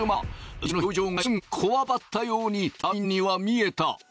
運転手の表情が一瞬こわばったように隊員には見えた。